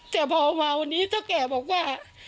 แต่พอมาวันนี้เท่าแก่บอกว่า